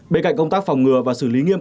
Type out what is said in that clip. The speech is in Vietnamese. bên cạnh công tác phòng ngừa và xử lý nghiêm